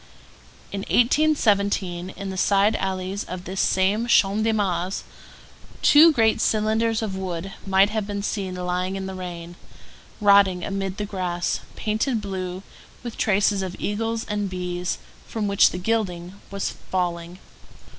In 1817, in the side alleys of this same Champ de Mars, two great cylinders of wood might have been seen lying in the rain, rotting amid the grass, painted blue, with traces of eagles and bees, from which the gilding was falling.